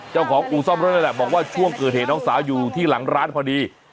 อู่ซ่อมรถนั่นแหละบอกว่าช่วงเกิดเหตุน้องสาวอยู่ที่หลังร้านพอดี